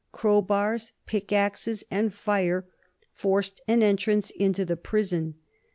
Crowbars, pickaxes, and fire forced an entrance into the prison.